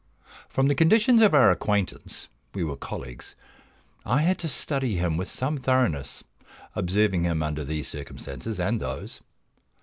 From the conditions of our acquaintance we were colleagues I had to study him with some thoroughness, observing him under these circumstances and those.